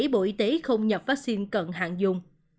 bộ y tế không nhập vaccine cần hạn dùng